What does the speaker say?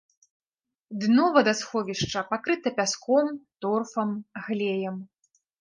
Дно вадасховішча пакрыта пяском, торфам, глеем.